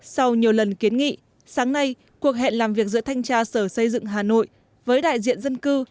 sáng nay cuộc hẹn làm việc giữa thanh tra sở xây dựng hà nội với đại diện dân cư